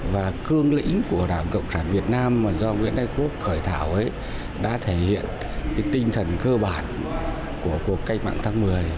và cương lĩnh của đảng cộng sản việt nam mà do nguyễn ái quốc khởi thảo đã thể hiện tinh thần cơ bản của cuộc cách mạng tháng một mươi